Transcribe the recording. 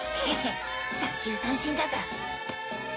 ッ三球三振だぞ。